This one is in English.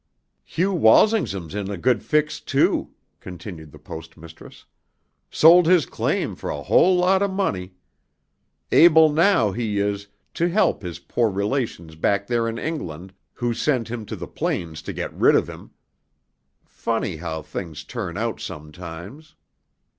"Hugh Walsingham's in a good fix, too," continued the Post Mistress, "sold his claim for a whole lot of money. Able now, he is, to help his poor relations back there in England, who sent him to the plains to get rid of him. Funny how things turn out sometimes."